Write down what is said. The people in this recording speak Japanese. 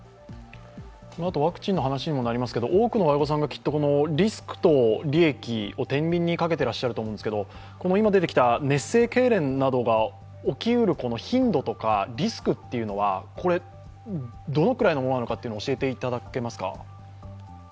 このあと、ワクチンの話にもなりますけど、多くの親御さんがきっとリスクと利益を天秤にかけていらっしゃると思いますが、熱性けいれんなどが起きうる頻度とかリスクっていうのは、どのぐらいのものなのかということを教えていただけますか。